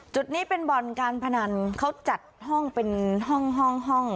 จุดนี้เป็นบ่อนการพนันเขาจัดห้องเป็นห้องห้อง